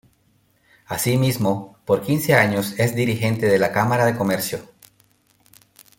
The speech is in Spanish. Asimismo, por quince años es dirigente de la Cámara de Comercio.